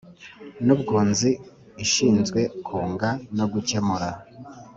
N ubwunzi ishinzwe kunga no gukemura